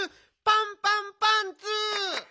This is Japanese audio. パンパンパンツー！